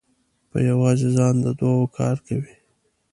په یوازې ځان د دوو کار کوي.